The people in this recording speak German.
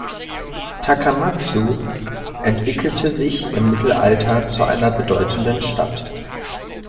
Takamatsu entwickelte sich im Mittelalter zu einer bedeutenden Stadt.